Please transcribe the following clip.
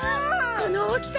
この大きさ！